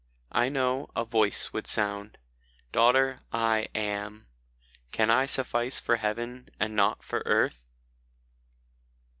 I know a Voice would sound, " Daughter, I AM. Can I suffice for Heaven, and not for earth